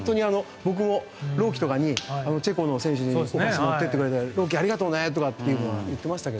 僕も朗希とかにチェコの選手にお菓子持って行ってくれて朗希ありがとうって言っていましたが。